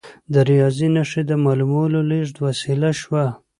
د ریاضي نښې د معلوماتو د لیږد وسیله شوه.